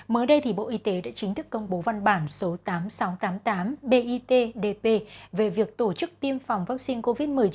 mới đây bộ y tế đã chính thức công bố văn bản số tám nghìn sáu trăm tám mươi tám bitdp về việc tổ chức tiêm phòng vaccine covid một mươi chín